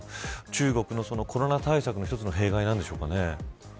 中国のコロナ対策の一つの弊害なんでしょうか。